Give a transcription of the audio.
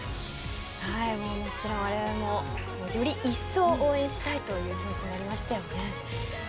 もちろん、われわれもよりいっそう応援したいという気持ちになりましたよね。